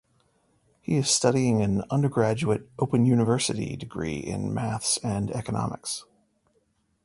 He is studying an undergraduate Open University degree in maths and economics.